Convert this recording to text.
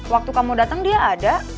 waktu kamu datang dia ada